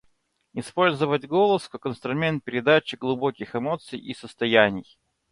Использовать голос как инструмент передачи глубоких эмоций и состояний.